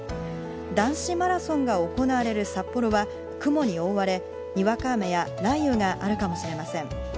男子マラソンが行われる札幌は、雲に覆われ、にわか雨や雷雨があるかもしれません。